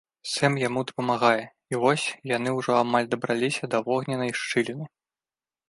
Сэм яму дапамагае, і вось яны ўжо амаль дабраліся да вогненнай шчыліны.